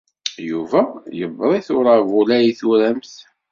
Yuba yewweḍ-it uṛabul ay turamt.